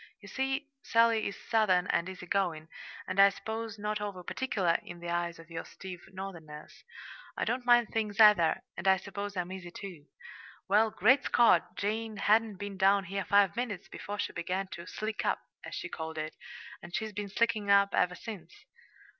You see, Sally is Southern and easy going, and I suppose not over particular in the eyes of you stiff Northerners. I don't mind things, either, and I suppose I'm easy, too. Well, great Scott! Jane hadn't been down here five minutes before she began to "slick up," as she called it and she's been "slickin' up" ever since.